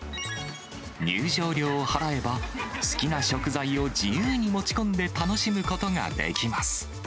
入場料を払えば、好きな食材を自由に持ち込んで楽しむことができます。